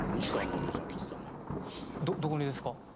どこにですか？